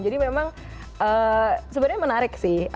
jadi memang sebenarnya menarik sih